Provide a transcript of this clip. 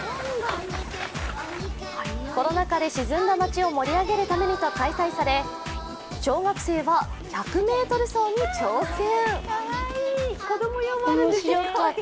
コロナ禍で沈んだ街を盛り上げるためにと開催され小学生は１００ｍ走に挑戦。